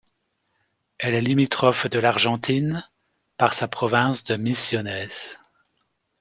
Elle est limitrophe de l'Argentine, par sa province de Misiones.